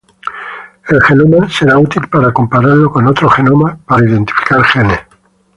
El genoma será útil para compararlo con otros genomas para identificar genes.